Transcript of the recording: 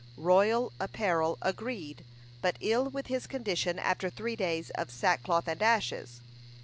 Royal apparel agreed but ill with his condition after three days of sackcloth and ashes.